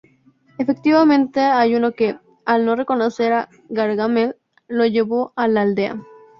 Efectivamente hay uno que, al no reconocer a Gargamel, lo lleva a la aldea.